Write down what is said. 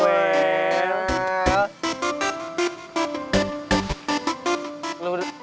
selamat pagi samuel